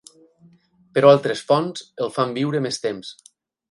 Però altres fonts el fan viure més temps.